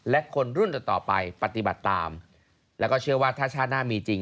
และคนรุ่นต่อไปปฏิบัติตามแล้วก็เชื่อว่าถ้าชาติหน้ามีจริง